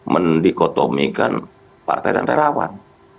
mendikotomikan partai dan relawan